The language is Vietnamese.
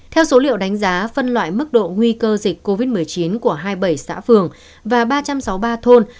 theo số liệu đánh giá phân loại mức độ nguy cơ dịch covid một mươi chín của hai mươi bảy xã phường và ba trăm sáu mươi ba thôn